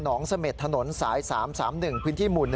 เสม็ดถนนสาย๓๓๑พื้นที่หมู่๑